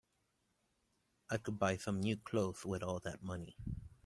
I could buy some new clothes with all that money.